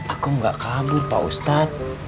aku gak kabur pak ustad